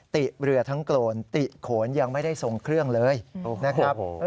ติเรือทั้งโกนติโขนยังไม่ได้ทรงเครื่องเลยนะครับ